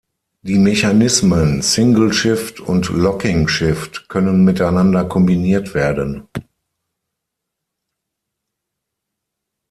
Die Mechanismen Single Shift und Locking Shift können miteinander kombiniert werden.